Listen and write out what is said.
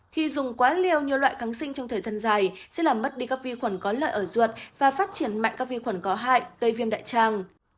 khi dùng quá liều nhiều loại kháng sinh trong thời gian dài sẽ làm mất đi các vi khuẩn có lợi ở ruột và phát triển mạnh các vi khuẩn có hại gây viêm đại tràng